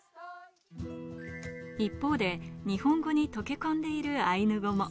一方で日本語に溶け込んでいるアイヌ語も。